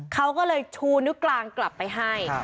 เขาก็เลยชูนิ้วกลางกลับไปให้